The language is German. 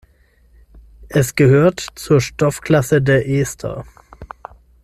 Es gehört zur Stoffklasse der Ester.